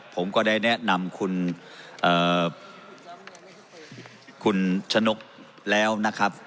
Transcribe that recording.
ผมก็ได้แนะนำคุณคุณชะนกแล้วนะครับ